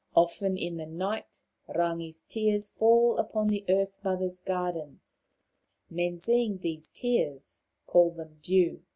Often in the night Rangi's tears fall upon the Earth mother's garden ; men, seeing these tears, call them dew.